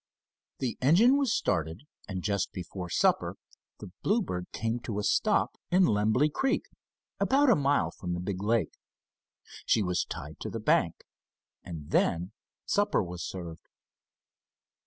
The engine was started, and just before supper, the Bluebird came to a stop in Lemby Creek about a mile from the big lake. She was tied to the bank, and then supper was served.